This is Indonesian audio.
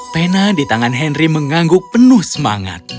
pena di tangan henry mengangguk penuh semangat